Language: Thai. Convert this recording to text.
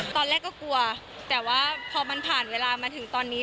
ตอนแรกก็กลัวแต่ว่าพอมันผ่านเวลามาถึงตอนนี้